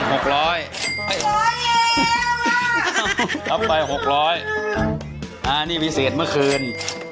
๖๐๐เย้มากอ้าวลำไป๖๐๐อ้านี่วิเศษเมื่อคืน